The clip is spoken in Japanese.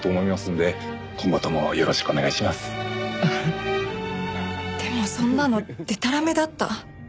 でもそんなのデタラメだった。